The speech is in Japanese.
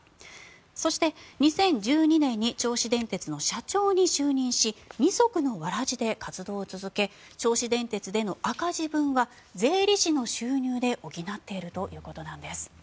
そして２０１２年に銚子電鉄の社長に就任し二足のわらじで活動を続け銚子電鉄での赤字分は税理士の収入で補っているということです。